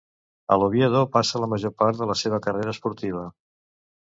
A l'Oviedo passa la major part de la seva carrera esportiva.